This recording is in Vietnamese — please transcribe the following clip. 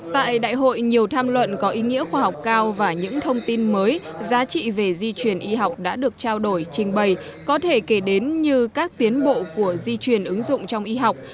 tại đại hội nhiều tham luận có ý nghĩa khoa học cao và những thông tin mới giá trị về di truyền y học đã được trao đổi trình bày có thể kể đến như các tiến bộ của di truyền ứng dụng trong y học